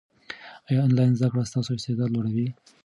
ایا انلاین زده کړه ستا استعداد لوړوي؟